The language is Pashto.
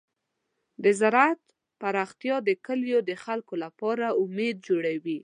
د زراعت پراختیا د کلیو د خلکو لپاره امید جوړوي.